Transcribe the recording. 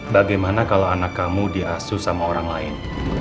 bagaimana kalau anak kamu diasuh sama orang lain